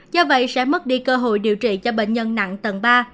do vậy sẽ mất đi cơ hội điều trị cho bệnh nhân nặng tầng ba